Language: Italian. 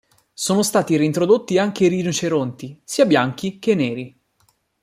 Sono stati reintrodotti anche i rinoceronti, sia bianchi che neri.